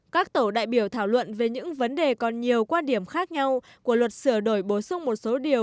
các tổ đại biểu thảo luận về những vấn đề còn nhiều quan điểm khác nhau của luật sửa đổi bổ sung một số điều